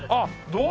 どう。